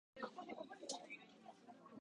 学識を磨いて、世に役立つ人材になること。